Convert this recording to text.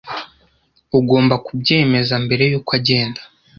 Ugomba kubyemeza mbere yuko ugenda.